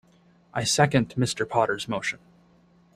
I second Mr. Potter's motion.